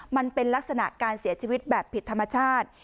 มันเป็นลักษณะการเสียชีวิตแบบผิดธรรมชาติ